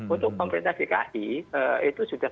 untuk pemerintah dki itu sudah